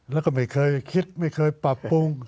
แล้วก็ไม่เคยคิดไม่เคยปรับปรุง